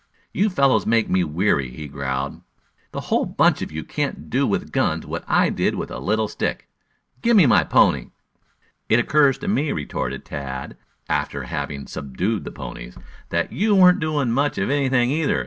"You fellows make me weary," he growled. "The whole bunch of you can't do with guns what I did with a little stick. Gimme my pony." "It occurs to me," retorted Tad, after having subdued the ponies, "that you weren't doing much of anything, either.